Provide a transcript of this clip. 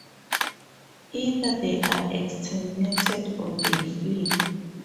Either they are exterminated or they flee.